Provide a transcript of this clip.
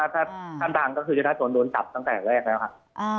ถ้าท่านดังก็คือจะได้โดนจับตั้งแต่แรกแล้วครับ